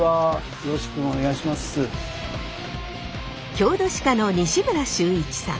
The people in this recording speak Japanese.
郷土史家の西村修一さん。